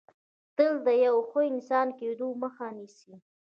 تل د یو ښه انسان کېدو مخه نیسي